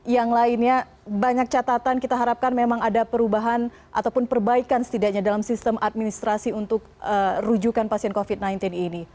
yang lainnya banyak catatan kita harapkan memang ada perubahan ataupun perbaikan setidaknya dalam sistem administrasi untuk rujukan pasien covid sembilan belas ini